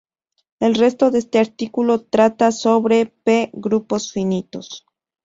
El resto de este artículo trata sobre "p"-grupos finitos.